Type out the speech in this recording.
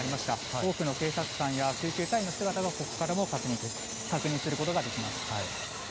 多くの警察官や救急隊員の姿がここからも確認することができます。